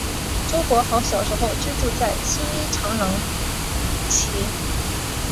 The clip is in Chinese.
周柏豪小时候居住在青衣长康邨。